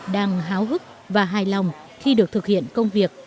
đang háo hức và hài lòng khi được thực hiện công việc